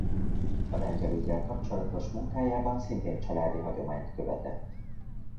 A lengyel üggyel kapcsolatos munkájában szintén családi hagyományt követett.